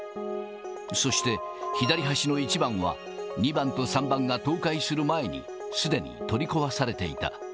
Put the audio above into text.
そして、左端の１番は、２番と３番が倒壊する前に、すでに取り壊されていた。